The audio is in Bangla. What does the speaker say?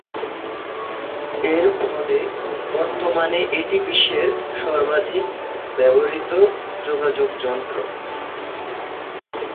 এর ফলে বর্তমানে এটি বিশ্বের সর্বাধিক ব্যবহৃত যোগাযোগ যন্ত্র।